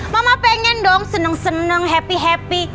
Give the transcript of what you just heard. mama pengen dong seneng seneng happy happy